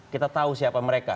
kita tahu siapa mereka